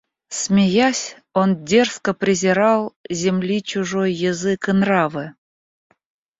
Смеясь, он дерзко презирал Земли чужой язык и нравы;